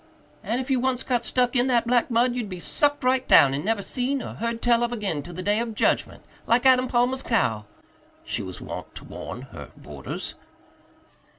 "And if you once got stuck in that black mud you'd be sucked right down and never seen or heard tell of again till the day of judgment, like Adam Palmer's cow," she was wont to warn her boarders.